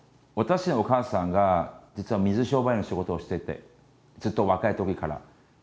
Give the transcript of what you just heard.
私のお母さんが実は水商売の仕事をしててずっと若いときから。